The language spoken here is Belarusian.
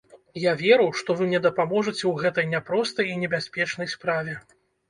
Я веру, што вы мне дапаможаце ў гэтай няпростай і небяспечнай справе.